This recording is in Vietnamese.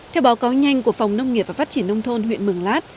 theo báo cáo nhanh của phòng nông nghiệp và phát triển nông thôn huyện mường lát